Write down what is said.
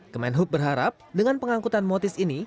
kemenhub berharap dengan pengangkutan motis ini